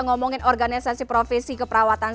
ngomongin organisasi profesi keperawatan